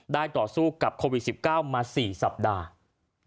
ต่อสู้กับโควิด๑๙มา๔สัปดาห์